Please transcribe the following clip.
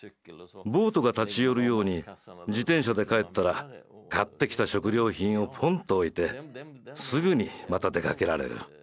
ボートが立ち寄るように自転車で帰ったら買ってきた食料品をぽんと置いてすぐにまた出かけられる。